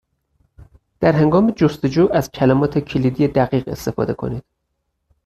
در هنگام جستجو از کلمات کلیدی دقیق استفاده کنید.